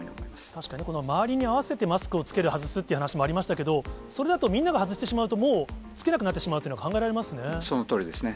確かに、周りに合わせてマスクを着けるっていう、話もありましたけど、それだと、みんなが外してしまうと、もう着けなくなってというのそのとおりですね。